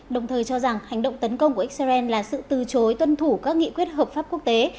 đồng thời cho rằng hành động tấn công của israel là sự từ chối tuân thủ các nghị quyết hợp pháp quốc tế